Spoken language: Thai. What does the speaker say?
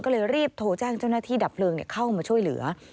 ก็เลยรีบโทรแจ้งเจ้าหน้าที่ดับเพลิงเข้ามาช่วยเหลือ